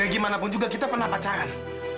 ya gimana pun juga kita pernah pacaran